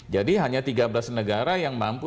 jadi hanya tiga belas negara yang mampu